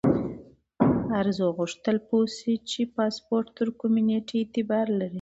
ارزو غوښتل پوه شي چې پاسپورت تر کومې نیټې اعتبار لري.